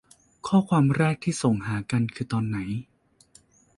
ข้อความแรกที่ส่งหากันคือตอนไหน